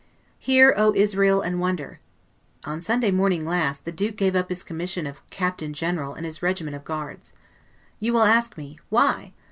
Hear, O Israel! and wonder. On Sunday morning last, the Duke gave up his commission of Captain General and his regiment of guards. You will ask me why?